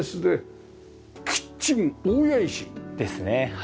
キッチン大谷石。ですねはい。